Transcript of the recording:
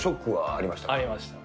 ありました。